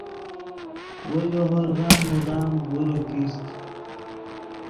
وو ژے ہورغن مدام گورے کیست